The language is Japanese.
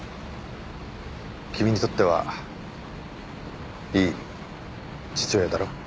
君にとってはいい父親だろ？